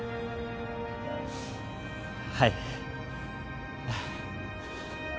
はい。